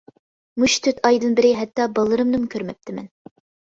مۇشۇ تۆت ئايدىن بېرى ھەتتا باللىرىمنىمۇ كۆرمەپتىمەن.